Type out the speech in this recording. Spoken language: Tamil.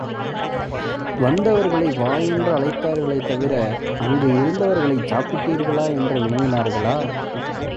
வந்தவர்களை வா என்று அழைத்தார்களே தவிர அங்கு இருந்தவர்களைச் சாப்பிட்டீர்களா என்று வினவினார்களா?